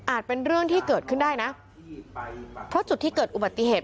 เป็นเรื่องที่เกิดขึ้นได้นะเพราะจุดที่เกิดอุบัติเหตุ